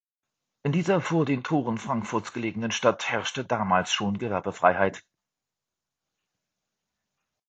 In dieser vor den Toren Frankfurts gelegenen Stadt herrschte damals schon Gewerbefreiheit.